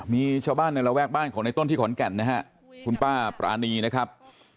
มีชาวบ้านในระแวกบ้านของในต้นที่ขอนแก่นนะฮะคุณป้าปรานีนะครับ